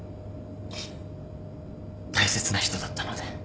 大切な人だったので